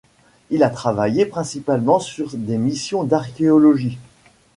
Il a travaillé principalement sur des missions d'archéologie.